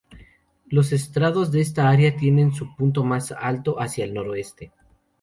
Los estratos de esta área tienen su punto más alto hacia el noroeste.